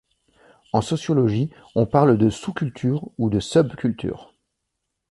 En sociologie, on parle de sous-culture ou de subculture.